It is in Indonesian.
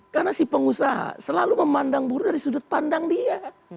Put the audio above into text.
karena si pengusaha selalu memandang buruh dari sudut pandang dia